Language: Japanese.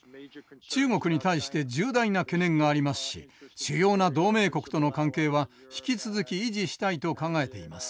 中国に対して重大な懸念がありますし主要な同盟国との関係は引き続き維持したいと考えています。